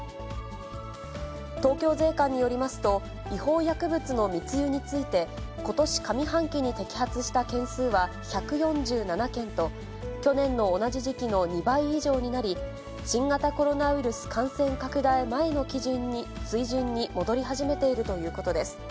東京税関によりますと、違法薬物の密輸について、ことし上半期に摘発した件数は１４７件と、去年の同じ時期の２倍以上になり、新型コロナウイルス感染拡大前の水準に戻り始めているということです。